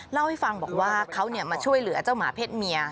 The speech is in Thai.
เล่าให้ฟังบอกว่าเขามาช่วยเหลือเจ้าหมาเพศเมีย